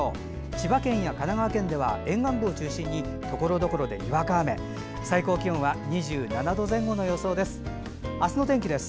千葉県や神奈川県では沿岸部を中心にところどころで、にわか雨最高気温は２７度前後の予想です。